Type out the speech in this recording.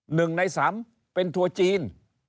หนึ่งในสามเป็นทัวร์จีน